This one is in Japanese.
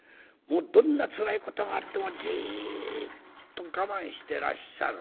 どんなつらい事があってもじっと我慢してらっしゃる。